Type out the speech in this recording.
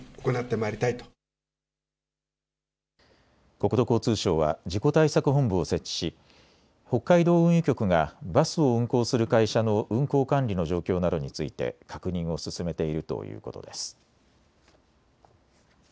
国土交通省は事故対策本部を設置し、北海道運輸局がバスを運行する会社の運行管理の状況などについて確認を進めているということです。